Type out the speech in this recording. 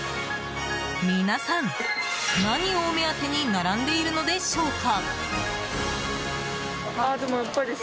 皆さん、何をお目当てに並んでいるのでしょうか。